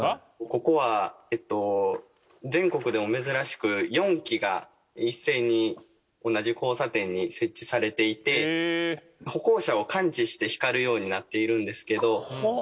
ここはえっと全国でも珍しく４基が一斉に同じ交差点に設置されていて歩行者を感知して光るようになっているんですけど。